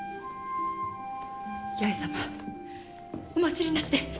弥江様お待ちになって！